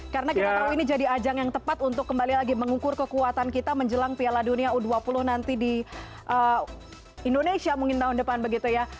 karena kita tahu ini jadi ajang yang tepat untuk kembali lagi mengukur kekuatan kita menjelang piala dunia u dua puluh nanti di indonesia mungkin tahun depan begitu ya